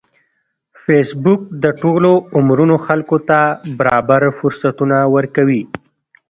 فېسبوک د ټولو عمرونو خلکو ته برابر فرصتونه ورکوي